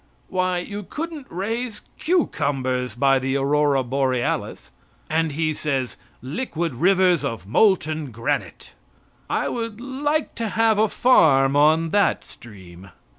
Why, you couldn't raise cucumbers by the aurora borealis. And he says "liquid rivers of molten granite." I would like to have a farm on that stream.